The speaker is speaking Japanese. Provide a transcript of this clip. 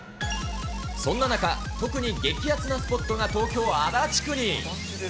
そんな中、特に激熱なスポットが東京・足立区に。